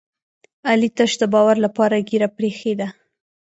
علي تش د باور لپاره ږېره پرې ایښې ده.